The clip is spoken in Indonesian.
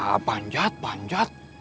a'ah panjat panjat